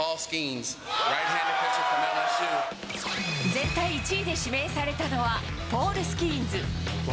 全体１位で指名されたのは、ポール・スキーンズ。